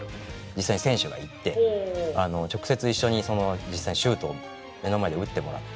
実際選手が行って直接いっしょにその実際にシュートを目の前で打ってもらって。